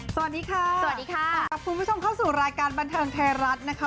สวัสดีค่ะสวัสดีค่ะสวัสดีค่ะขอบคุณผู้ชมเข้าสู่รายการบันเทิงเทรัสนะคะ